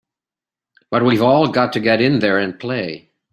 But we've all got to get in there and play!